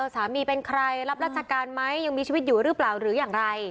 สามีเป็นใครรับราชการไหมยังมีชีวิตอยู่หรือเปล่าหรืออย่างไร